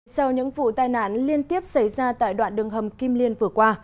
sau những vụ tai nạn liên tiếp xảy ra tại đoạn đường hầm kim liên vừa qua